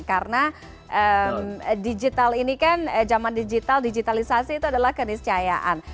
karena digital ini kan zaman digital digitalisasi itu adalah keniscayaan